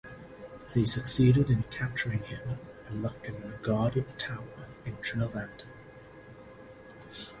They succeeded in capturing him and locked him in a guarded tower in Trinovantum.